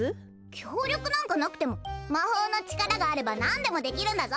協力なんかなくても魔法の力があればなんでもできるんだぞ！